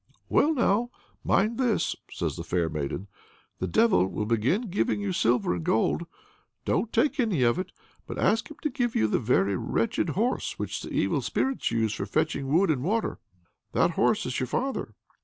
"Well now, mind this," says the fair maiden; "the Devil will begin giving you silver and gold. Don't take any of it, but ask him to give you the very wretched horse which the evil spirits use for fetching wood and water. That horse is your father.